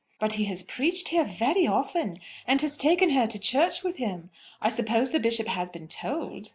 "But he has preached here very often, and has taken her to church with him! I suppose the Bishop has been told?"